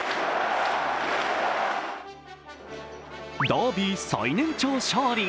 ダービー最年長勝利。